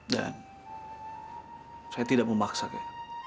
dan saya tidak memaksa kek